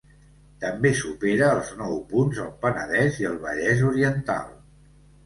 També supera els nou punts el Penedès i el Vallès Oriental.